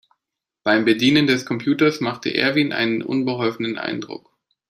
Beim Bedienen des Computers machte Erwin einen unbeholfenen Eindruck.